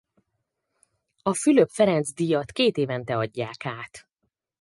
A Fülöp Ferenc-díjat kétévente adják át.